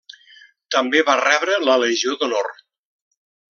També va rebre la Legió d'Honor.